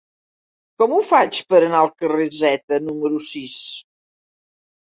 Com ho faig per anar al carrer Zeta número sis?